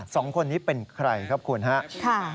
สองคนนี้เป็นใครครับคุณครับ